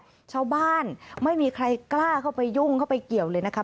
ชาวบ้านไม่มีใครกล้าเข้าไปยุ่งเข้าไปเกี่ยวเลยนะครับ